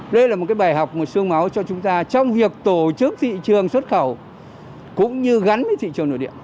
đây là một cái bài học một sương máu cho chúng ta trong việc tổ chức thị trường xuất khẩu cũng như gắn với thị trường nội địa